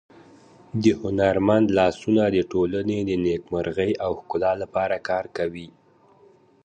د هنرمند لاسونه د ټولنې د نېکمرغۍ او ښکلا لپاره کار کوي.